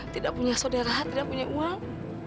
tidak punya saudara tidak punya uang